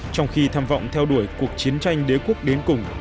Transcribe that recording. trong khi tham vọng theo đuổi cuộc chiến tranh đế quốc đến cùng